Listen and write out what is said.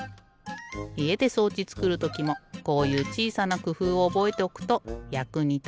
いえで装置つくるときもこういうちいさなくふうをおぼえておくとやくにたつよ。